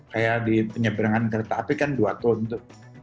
kayak di penyeberangan kereta api kan dua tone